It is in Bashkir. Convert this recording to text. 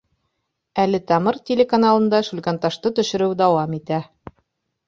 Әле «Тамыр» телеканалында «Шүлгәнташ»ты төшөрөү дауам итә.